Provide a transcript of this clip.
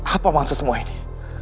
apa mangsua semua ini